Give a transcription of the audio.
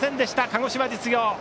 鹿児島実業。